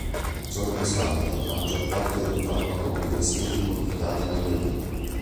Ciononostante, la maggior parte del farmaco viene escreto immodificato nelle urine.